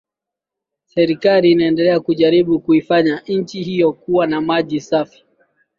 Serikali inaendelea kujaribu kuifanya nchi hiyo kuwa na maji safi